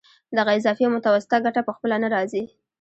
دغه اضافي او متوسطه ګټه په خپله نه راځي